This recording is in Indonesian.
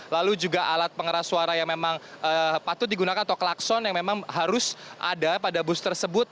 lalu juga alat pengeras suara yang memang patut digunakan atau klakson yang memang harus ada pada bus tersebut